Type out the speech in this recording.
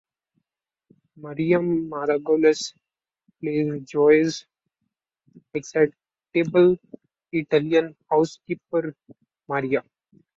Miriam Margolyes plays Joan's excitable Italian housekeeper, Maria.